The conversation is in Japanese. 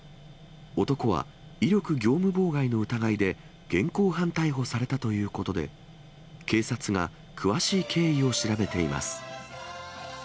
男は威力業務妨害の疑いで現行犯逮捕されたということで、警察が詳しい経緯を調べています。